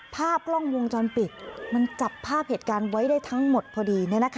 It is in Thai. ภาพกล้องวงจรปิดมันจับภาพเหตุการณ์ไว้ได้ทั้งหมดพอดี